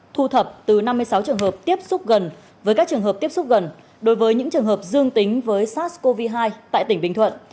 thu thập từ năm mươi sáu trường hợp tiếp xúc gần với các trường hợp tiếp xúc gần đối với những trường hợp dương tính với sars cov hai tại tỉnh bình thuận